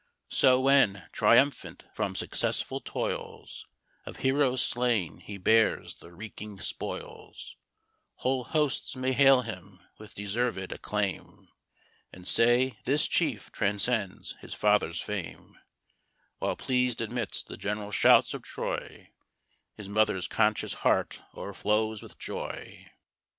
So when, triumphant from successful toils, Of heroes slain he bears the reeking spoils, Whole hosts may hail him, with deserv'd acclaim, And say, this chief transcends his father's fame: While pleas'd amidst the general shouts of Troy, His mother's conscious heart o'erflows with joy.